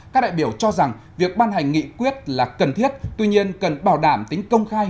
các đại biểu cho rằng việc ban hành nghị quyết là cần thiết tuy nhiên cần bảo đảm tính công khai